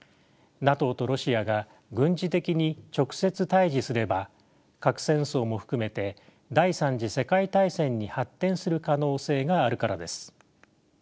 ＮＡＴＯとロシアが軍事的に直接対峙すれば核戦争も含めて第３次世界大戦に発展する可能性があるからです。